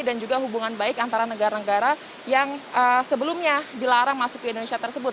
dan juga hubungan baik antara negara negara yang sebelumnya dilarang masuk ke indonesia tersebut